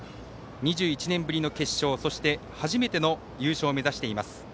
２１年ぶりの決勝初めての優勝を目指しています。